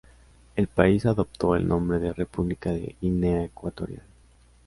El país adoptó el nombre de República de Guinea Ecuatorial.